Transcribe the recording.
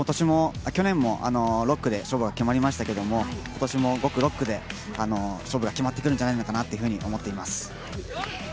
去年も６区で勝負が決まりましたけれども、今年も５区、６区で勝負が決まってくるんじゃないのかなと思っています。